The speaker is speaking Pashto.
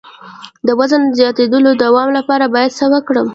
د وزن د زیاتیدو د دوام لپاره باید څه وکړم؟